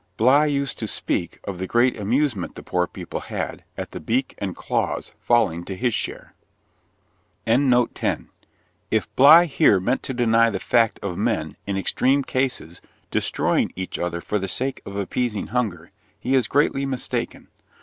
Bligh used to speak of the great amusement the poor people had at the beak and claws falling to his share. If Bligh here meant to deny the fact of men, in extreme cases, destroying each other for the sake of appeasing hunger, he is greatly mistaken.